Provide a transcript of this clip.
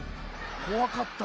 こわかったいま。